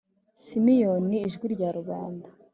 Ni Simeon, Ijwi Rya Rubanda.